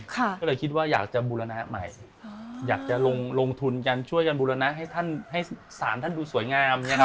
ก็เลยคิดว่าอยากจะบูรณะใหม่อยากจะลงทุนกันช่วยกันบูรณะให้ท่านให้สารท่านดูสวยงาม